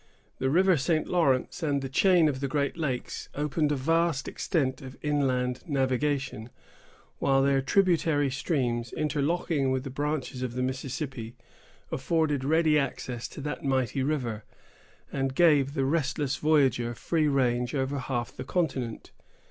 The river St. Lawrence, and the chain of the great lakes, opened a vast extent of inland navigation; while their tributary streams, interlocking with the branches of the Mississippi, afforded ready access to that mighty river, and gave the restless voyager free range over half the continent.